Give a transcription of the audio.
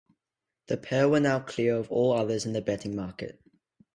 The pair were now clear of all others in the betting market.